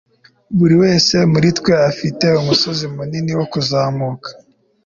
buri wese muri twe afite umusozi munini wo kuzamuka